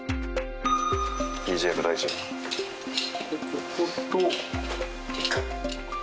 ここと。